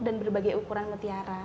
dan berbagai ukuran mutiara